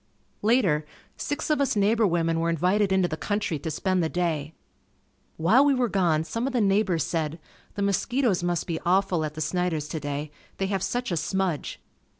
Later, six of us neighbor women were invited into the country to spend the day. While we were gone some of the neighbors said, "The mosquitoes must be awful at the Snider's today they have such a smudge."